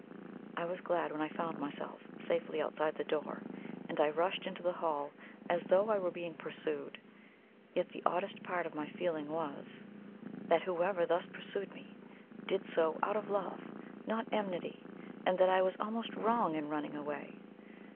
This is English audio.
I was glad when I found myself safely outside the door, and I rushed into the hall as though I were being pursued; yet the oddest part of my feeling was, that whoever thus pursued me, did so out of love, not enmity, and that I was almost wrong in running away.